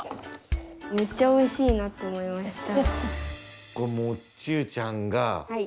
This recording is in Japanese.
めっちゃおいしいなって思いました。